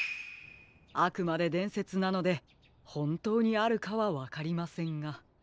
あくまででんせつなのでほんとうにあるかはわかりませんが。